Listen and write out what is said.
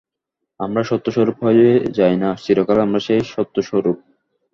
আমরা সত্য-স্বরূপ হয়ে যাই না, চিরকালই আমরা সেই সত্যস্বরূপ।